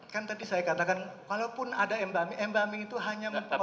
kan tadi saya katakan walaupun ada embalming embalming itu hanya mengoribundi cerah